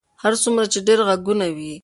هر څومره چې ډېر غږونه وي.